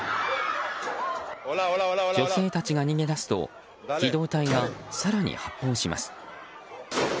女性たちが逃げ出すと機動隊が更に発砲します。